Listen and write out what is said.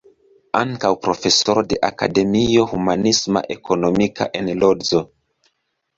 Ankaŭ profesoro de Akademio Humanisma-Ekonomika en Lodzo.